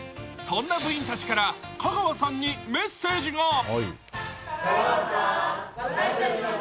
そんな部員たちから香川さんにメッセージが。